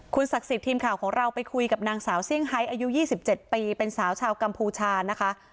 ศักดิ์สิทธิ์ทีมข่าวของเราไปคุยกับนางสาวเซี่ยงไฮอายุ๒๗ปีเป็นสาวชาวกัมพูชานะคะ